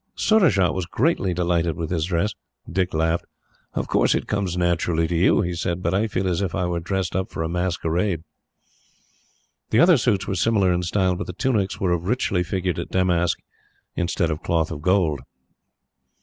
Surajah was greatly delighted with his dress. Dick laughed. "Of course, it comes naturally to you," he said, "but I feel as if I were dressed up for a masquerade." The other suits were similar in style, but the tunics were of richly figured damask, instead of cloth of gold.